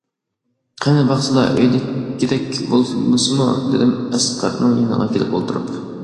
- قېنى باقسىلا، ئۆيدىكىدەك بولمىسىمۇ، دېدى ئەسقەرنىڭ يېنىغا كېلىپ ئولتۇرۇپ.